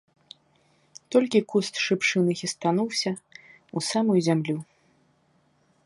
Толькі куст шыпшыны хістануўся ў самую зямлю.